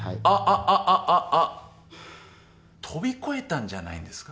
あッあッ飛び越えたんじゃないんですか？